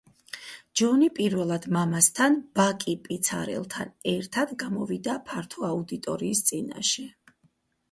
ჯონი პირველად მამასთან ბაკი პიცარელთან ერთად გამოვიდა ფართო აუდიტორიის წინაშე.